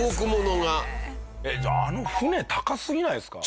あの船高すぎないですか？